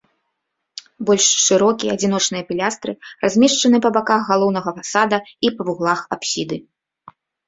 Больш шырокія адзіночныя пілястры размешчаны па баках галоўнага фасада і па вуглах апсіды.